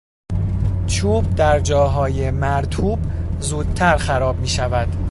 چوب در جاهای مرطوب زودتر خراب میشود.